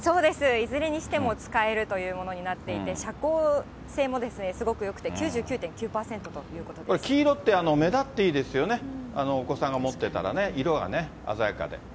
いずれにしても使えるというものになっていて、遮光性もすごくよくて９９．９％とこれ黄色って、目立っていいですよね、お子さんが持ってたらね、色がね、鮮やかで。